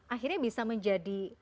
akhirnya bisa menjadi